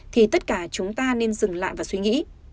thì tất cả chúng ta nên dừng lại và suy nghĩ